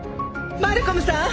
マルコムさん！